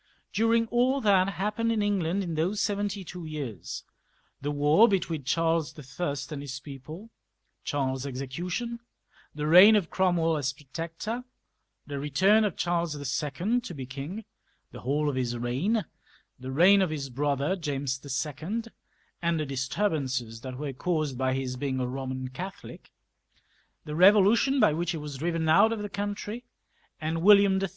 During all that happened in England in those seventy two years — ^the war between Charles L and his people, Charles's execution^ the reign of Cromwell as Protector, the return of Charles II. to be king, the whole of his reign, the reign of his brother James IL, and the disturbances that were caused by his being a Boman Catholic, the Revolution by which he was driven out of the country and William III.